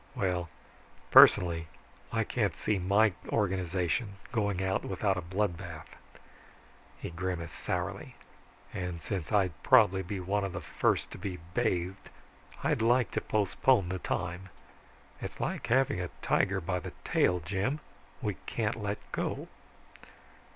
Well, personally I can't see my organization going out without a blood bath." He grimaced sourly, "And since I'd probably be one of the first to be bathed, I'd like to postpone the time. It's like having a tiger by the tail, Jim. We can't let go."